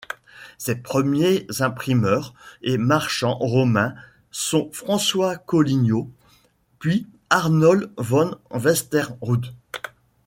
Ses premiers imprimeurs et marchands romains sont François Collignon puis Arnold van Westerhout.